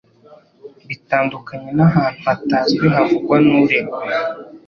bitandukanye n'ahantu hatazwi havugwa n'uregwa.